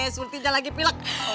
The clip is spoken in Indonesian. surtinya lagi pilek